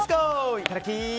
いただき！